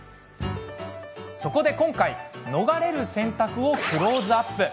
そこで今回、逃れる選択をクローズアップ。